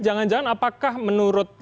jangan jangan apakah menurut